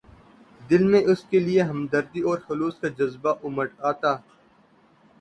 دل میں اس کے لیے ہمدردی اور خلوص کا جذبہ اُمڈ آتا